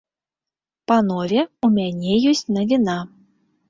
Панове, у мяне ёсць навіна.